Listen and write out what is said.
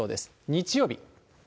日曜日。